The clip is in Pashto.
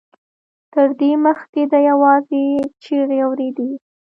تر دې مخکې ده يوازې چيغې اورېدې.